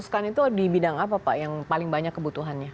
jadi yang dihususkan itu di bidang apa pak yang paling banyak kebutuhannya